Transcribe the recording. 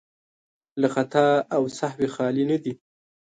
له خطا او سهوی خالي نه دي.